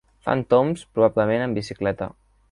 Fan tombs, probablement en bicicleta.